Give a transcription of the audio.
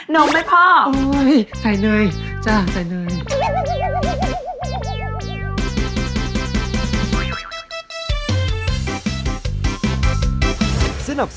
นมไหมพ่อ